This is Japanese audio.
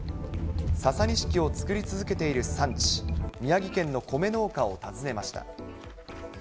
ササニシキを作り続けている産地、宮城県の米農家を訪ねました。